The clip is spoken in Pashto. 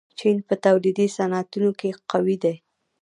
چین په تولیدي صنعتونو کې قوي دی.